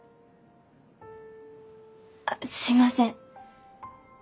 あすいません。